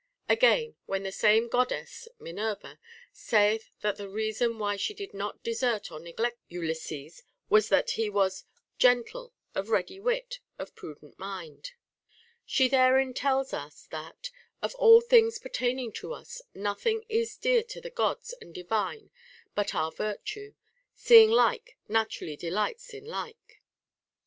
Again, when the same Goddess (Mi nerva) saith that the reason why she did not desert or neg lect Ulysses was that he was Gentle, of ready wit, of prudent mind, she therein tells us that, of all things pertaining to us, nothing is dear to the Gods and divine but our virtue, see ing like naturally delights in like.